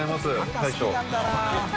大将）